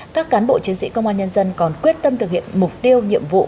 các cán bộ chiến sĩ công an nhân dân còn quyết tâm thực hiện mục tiêu nhiệm vụ